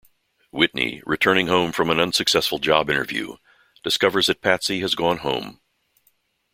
Whitney, returning home from an unsuccessful job interview, discovers that Patsy has gone home.